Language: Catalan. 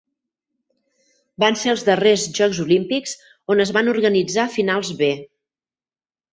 Van ser els darrers Jocs Olímpics on es van organitzar finals B.